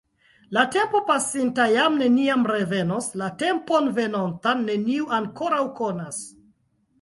La tempo pasinta jam neniam revenos; la tempon venontan neniu ankoraŭ konas.